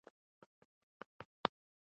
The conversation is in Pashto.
ملالۍ په لوړ ځای کې ودرېږي.